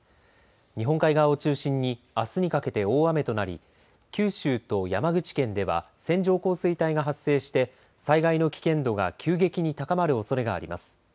日本海側を中心にあすにかけて大雨となり九州と山口県では線状降水帯が発生して災害の危険度が急激に高まるおそれがあります。